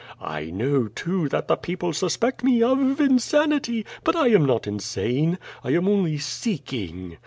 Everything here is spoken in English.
I know, too, that the people suspect me of insanity, but T am not insane. I am only seek ing.